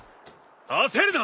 焦るな！